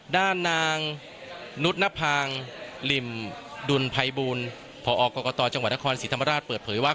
ด้านนางนุษนภางริมดุลภัยบูลพอกรกตจังหวัดนครศรีธรรมราชเปิดเผยว่า